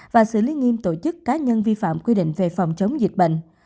và xử lý nghiêm tổ chức cá nhân vi phạm quy định về phòng chống dịch bệnh